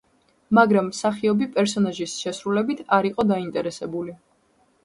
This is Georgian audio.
მაგრამ მსახიობი პერსონაჟის შესრულებით არ იყო დაინტერესებული.